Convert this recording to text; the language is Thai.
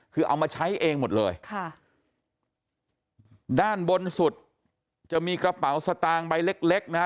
คือเอามาใช้เองหมดเลยค่ะด้านบนสุดจะมีกระเป๋าสตางค์ใบเล็กเล็กนะฮะ